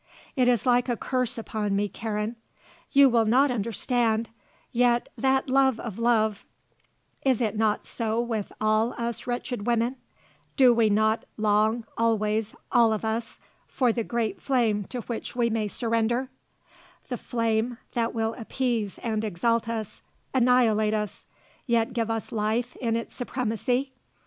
It is like a curse upon me, Karen. You will not understand; yet that love of love, is it not so with all us wretched women; do we not long, always, all of us, for the great flame to which we may surrender, the flame that will appease and exalt us, annihilate us, yet give us life in its supremacy?